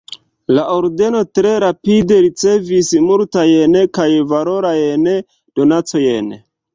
La ordeno tre rapide ricevis multajn kaj valorajn donacojn.